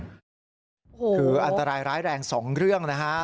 คืออันตรายร้ายแรง๒เรื่องนะฮะ